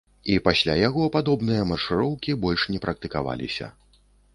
І пасля яго падобныя маршыроўкі больш не практыкаваліся.